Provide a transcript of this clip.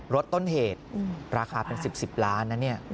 รถต้นเหตุราคาเป็น๑๐ล้าน